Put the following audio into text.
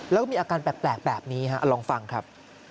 แล้วก็มีอาการแปลกแบบนี้ฮะลองฟังครับ